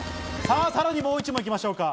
さらにもう１問、行きましょうか。